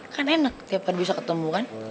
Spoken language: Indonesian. kan enak tiap hari bisa ketemu kan